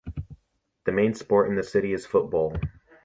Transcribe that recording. The main sport in the city is football.